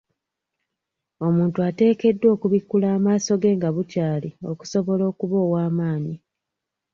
Omuntu ateekeddwa okubikkula amaaso ge nga bukyali okusobola okuba ow'amaanyi.